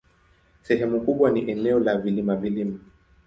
Sehemu kubwa ni eneo la vilima-vilima.